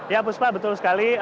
ya bu spa betul sekali